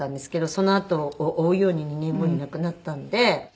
そのあとを追うように２年後に亡くなったので。